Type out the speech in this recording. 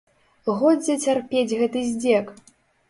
Годзе цярпець гэты здзек!